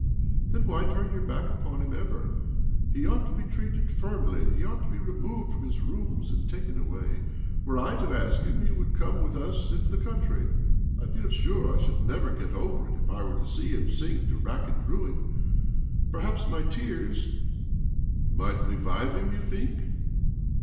" Then why turn уоцг back upon himever} He ought to be treated firmly — he ought to; be removed from his rooms and taken away. Were I to ask him, he would come with us into the country. I feel sure I should never get over it if I were to see him sink to rack and ruin. Perhaps my tears " OBLOMOV 267 ' Might revive Mm, you think?"